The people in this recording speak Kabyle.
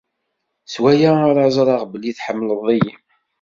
S waya ara ẓreɣ belli tḥemmleḍ-iyi.